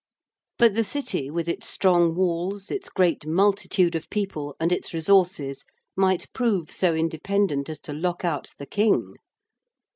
But the City with its strong walls, its great multitude of people, and its resources, might prove so independent as to lock out the King.